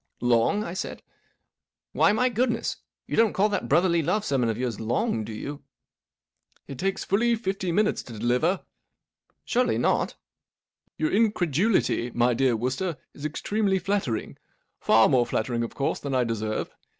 " Long ?" I said. *' Why, my goodness I you don't call that Brotherly Love sermon of yours long, do you ?".*• It takes fully fifty minutes to deliver." " Surely not ?"" Your incredulity, my dear Wooster, is extremely flattering—far more flattering, of course, than I deserve.